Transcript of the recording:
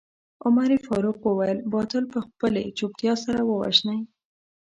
عمر فاروق وويل باطل په خپلې چوپتيا سره ووژنئ.